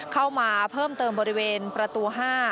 เข้ามาเพิ่มเติมบริเวณประตู๕